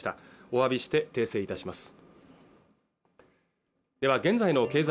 お詫びして訂正いたします